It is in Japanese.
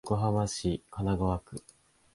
横浜市神奈川区